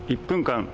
「１分間！